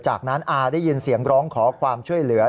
จากนั้นอาได้ยินเสียงร้องขอความช่วยเหลือ